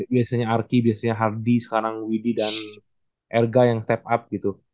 biasanya arki biasanya hardy sekarang widhi dan erga yang step up gitu